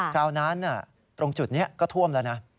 คราวนั้นตรงจุดนี้ก็ท่วมแล้วนะ